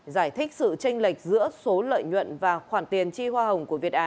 giải thích sự tranh lệch giữa số lợi nhuận và khoản tiền chi hoa hồng của việt á